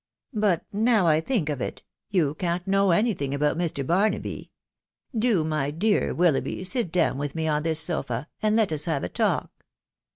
... But now I think of it, you can't know any thing about Mr. Bar naby. ••• Do, my dear Willoughby, sit down with me on tins sofa, and let us have a talk."